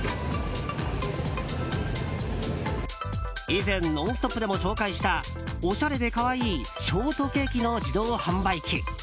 以前、「ノンストップ！」でも紹介したおしゃれで可愛いショートケーキの自動販売機。